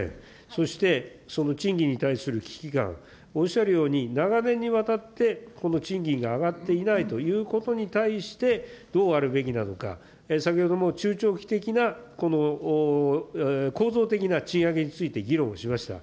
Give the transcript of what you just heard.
そして、その賃金に対する危機感、おっしゃるように、長年にわたって、この賃金が上がっていないということに対して、どうあるべきなのか、先ほども中長期的なこの構造的な賃上げについて議論をしました。